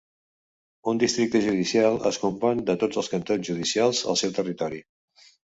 Un districte judicial es compon de tots els cantons judicials al seu territori.